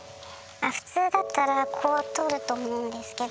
普通だったらこうとると思うんですけど。